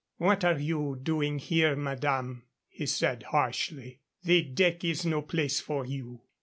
"What are you doing here, madame?" he said, harshly. "The deck is no place for you.